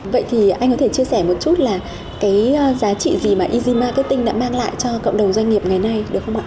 vậy thì anh có thể chia sẻ một chút là cái giá trị gì mà easy marketing đã mang lại cho cộng đồng doanh nghiệp ngày nay được không ạ